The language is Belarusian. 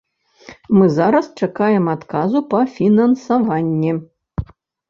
Мы зараз чакаем адказу па фінансаванні.